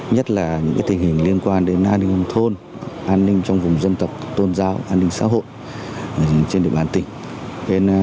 nhất là những tình hình liên quan đến an ninh thôn an ninh trong vùng dân tộc tôn giáo an ninh xã hội trên địa bàn tỉnh